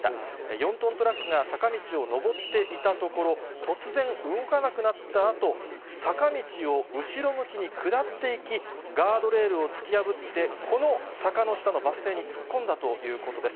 ４トントラックが坂道を上っていたところ、突然動かなくなったあと、坂道を後ろ向きに下っていき、ガードレールを突き破って、この坂の下のバス停に突っ込んだということです。